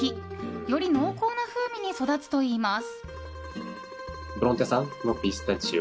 より濃厚な風味に育つといいます。